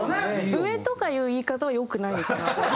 「上」とかいう言い方は良くないのかなと。